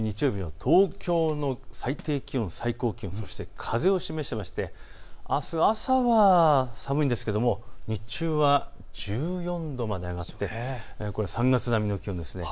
東京の最低気温、最高気温、風を示していましてあす朝は寒いんですけれど日中は１４度まで上がりまして３月並みの気温の予想です。